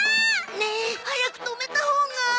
ねえ早く止めたほうが。